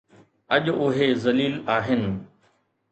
اڄ اهي ذليل آهن.